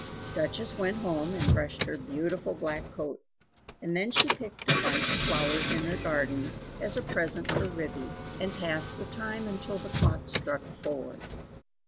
Duchess went home and brushed her beautiful black coat; and then she picked a bunch of flowers in her garden as a present for Ribby; and passed the time until the clock struck four.